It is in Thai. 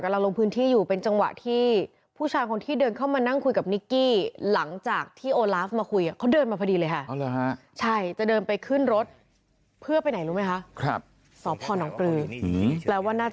แล้วก็เขามานั่งคุยกันแป๊บนึงเขาก็ออกไป